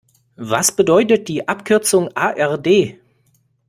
Was bedeutet die Abkürzung A-R-D?